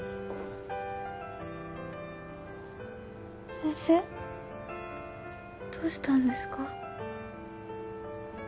先生どうしたんですか？